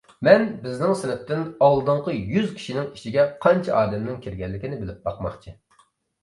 مەن بىزنىڭ سىنىپتىن ئالدىنقى يۈز كىشىنىڭ ئىچىگە قانچە ئادەمنىڭ كىرگەنلىكىنى بىلىپ باقماقچى.